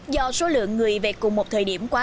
do số lượng người về cùng một thời điểm quá